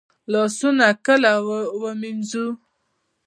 لاسونه کله ووینځو؟